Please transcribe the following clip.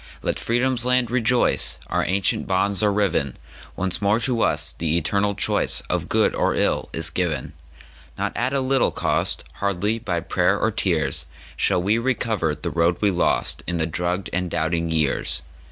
Let Freedom's land rejoice! Our ancient bonds are riven; Once more to us the eternal choiceOf good or ill is given. Not at a little cost, Hardly by prayer or tears, Shall we recover the road we lostIn the drugged and doubting years.